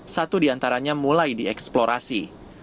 satu diantaranya mulai dieksplorasi